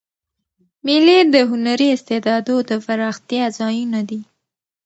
مېلې د هنري استعدادو د پراختیا ځایونه دي.